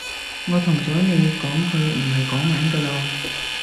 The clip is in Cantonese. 我同咗你講佢唔係講玩㗎囉